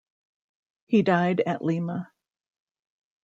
He died at Lima.